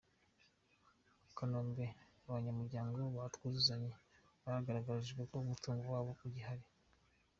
Kanombe Abanyamuryango ba "Twuzuzanye" bagaragarijwe ko umutungo wabo ugihari